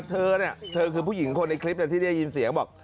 เธอก็คือผู้หญิงคนในคลิปที่ได้ยินเสียง